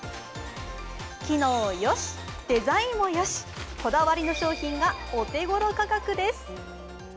機能よし、デザインよしこだわりの商品がお手ごろ価格です。